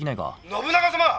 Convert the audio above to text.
「信長様！